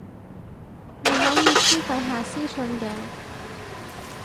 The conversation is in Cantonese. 你可以私底下私訊嘅